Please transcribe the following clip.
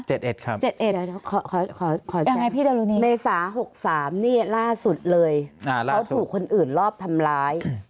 เดี๋ยวขอแจ้งยังไงพี่ดรุณีเมษา๖๓นี่ล่าสุดเลยเขาถูกคนอื่นรอบทำร้าย